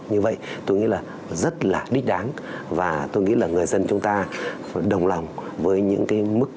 như vậy tôi nghĩ là rất là đích đáng và tôi nghĩ là người dân chúng ta đồng lòng với những cái mức